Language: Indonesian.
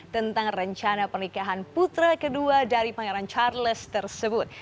tentang rencana pernikahan putra kedua dari pangeran charles tersebut